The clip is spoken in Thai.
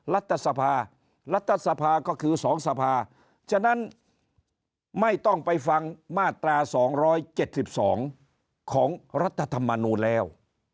รัฐสภารัฐสภาก็คือ๒สภาฉะนั้นไม่ต้องไปฟังมาตรา๒๗๒ของรัฐธรรมนูลแล้ว